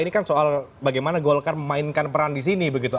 ini kan soal bagaimana golkar memainkan peran di sini begitu